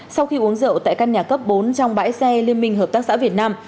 sau khi uống rượu tại căn nhà cấp bốn trong bãi xe liên minh hợp tác xã việt nam